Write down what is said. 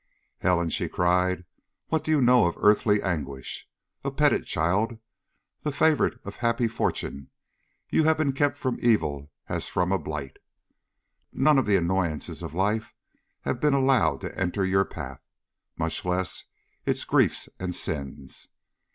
"Helen," she cried, "what do you know of earthly anguish? A petted child, the favorite of happy fortune, you have been kept from evil as from a blight. None of the annoyances of life have been allowed to enter your path, much less its griefs and sins.